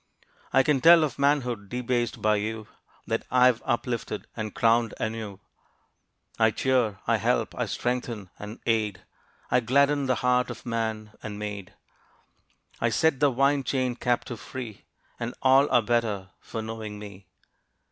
I can tell of manhood debased by you, That I have uplifted and crowned anew I cheer, I help, I strengthen and aid; I gladden the heart of man and maid; I set the wine chained captive free, And all are better for knowing me."